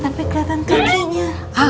tapi keliatan kakinya